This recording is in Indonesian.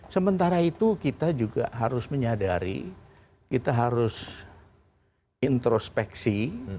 sementara itu kita juga harus menyadari kita harus introspeksi